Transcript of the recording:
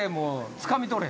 つかみ取れ！